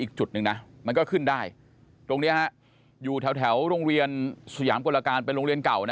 อีกจุดหนึ่งนะมันก็ขึ้นได้ตรงนี้อยู่แถวโรงเรียนสยามกลการเป็นโรงเรียนเก่านะ